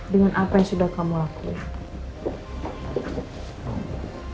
dengan apa yang sudah kamu lakukan